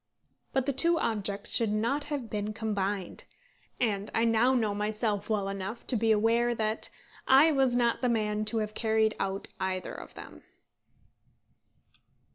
But the two objects should not have been combined and I now know myself well enough to be aware that I was not the man to have carried out either of them.